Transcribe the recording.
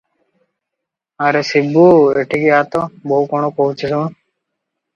"ଆରେ ଶିବୁ, ଏଠିକି ଆ'ତ, ବୋହୂ କଣ କହୁଛି, ଶୁଣ ।"